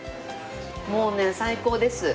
もうね最高です。